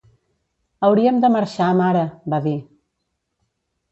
"Hauríem de marxar, mare", va dir.